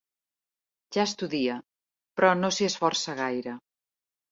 Ja estudia, però no s'hi esforça gaire.